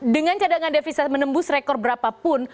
dan cadangan devisa menembus rekor berapapun